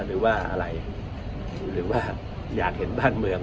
หรือว่าอยากเห็นบ้านเมือง